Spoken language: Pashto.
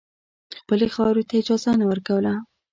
خپلې خاورې ته اجازه نه ورکوله.